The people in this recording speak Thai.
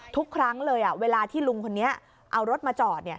ทุกครั้งเลยเวลาที่ลุงคนนี้เอารถมาจอด